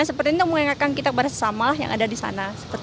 seperti itu mengingatkan kita kepada sesama yang ada di sana